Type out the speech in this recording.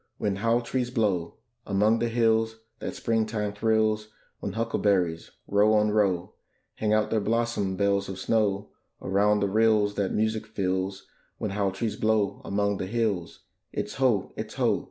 when haw trees blow Among the hills that Springtime thrills; When huckleberries, row on row, Hang out their blossom bells of snow Around the rills that music fills: When haw trees blow among the hills, It's ho, it's ho!